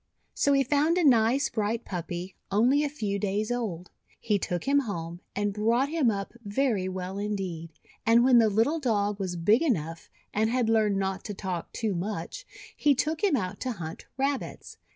So he found a nice bright puppy, only a few 348 THE WONDER GARDEN days old. He took him home, and brought him up very well indeed. And when the little Dog was big enough, and had learned not to talk too much, he took him out to hunt Rab / bits.